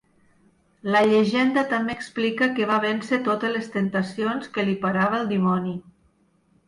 La llegenda també explica que va vèncer totes les temptacions que li parava el dimoni.